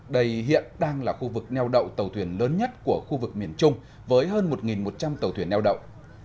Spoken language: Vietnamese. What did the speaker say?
đây hiện đang là khu vực neo đậu tàu thuyền lớn nhất của khu vực miền trung với hơn một một trăm linh tàu thuyền neo đậu